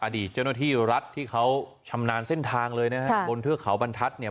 อดีตเจ้าหน้าที่รัฐที่เขาชำนาญเส้นทางเลยนะฮะบนเทือกเขาบรรทัศน์เนี่ย